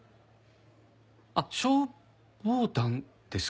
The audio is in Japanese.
あっ消防団ですか？